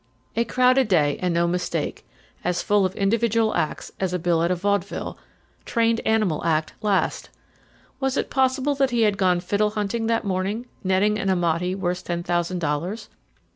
A crowded day, and no mistake, as full of individual acts as a bill at a vaudeville, trained animal act last. Was it possible that he had gone fiddle hunting that morning, netting an Amati worth ten thousand dollars?